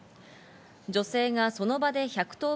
女性がその場で１１０番